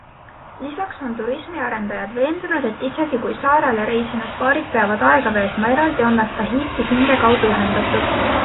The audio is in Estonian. Lisaks on turismiarendajad veendunud, et isegi kui saarele reisinud paarid peavad aega veetma eraldi, on nad Tahiti hinge kaudu ühendatud.